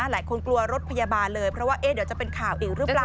หลายคนกลัวรถพยาบาลเลยเพราะว่าเดี๋ยวจะเป็นข่าวอีกหรือเปล่า